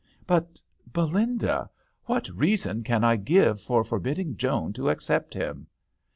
" But, Belinda, what reason can I give for forbidding Joan to accept him